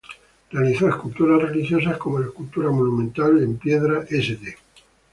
Realizó esculturas religiosas, como la escultura monumental en piedra “St.